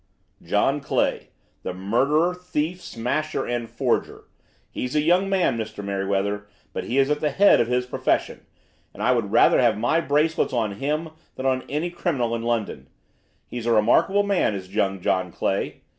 "John Clay, the murderer, thief, smasher, and forger. He's a young man, Mr. Merryweather, but he is at the head of his profession, and I would rather have my bracelets on him than on any criminal in London. He's a remarkable man, is young John Clay.